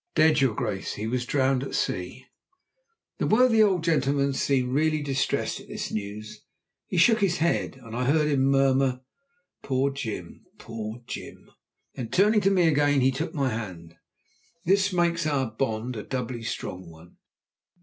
"Dead, your Grace! He was drowned at sea." The worthy old gentleman seemed really distressed at this news. He shook his head, and I heard him murmur: "Poor Jim! Poor Jim!" Then, turning to me again, he took my hand. "This makes our bond a doubly strong one.